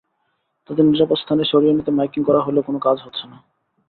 তাদের নিরাপদ স্থানে সরিয়ে নিতে মাইকিং করা হলেও কোনো কাজ হচ্ছে না।